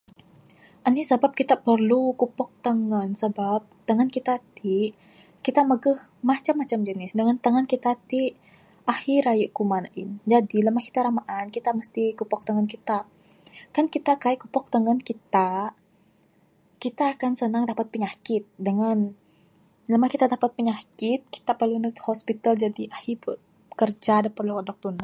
Anih sebab kitak perlu kupok tangan? Sebab tangan kitak tik, kitak maguh macam macam jenis. Dengan tangan kitak tik ahi rayu kuman ain. Jaji lama' kitak ra maan, kitak mesti kupok tangan kitak. Kan kitak kai kupok tangan kitak, kitak akan senang dapat penyakit. Dengan lamak kitak dapat penyakit, kitak perlu ndug hospital. Jadi ahi kerja da perlu udog tundah.